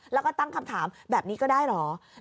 แล้วก็ตั้งคำถามแบบนี้ก็ได้เหรอ